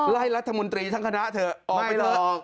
ไล่รัฐมนตรีทั้งคณะเถอะออกไปเถอะ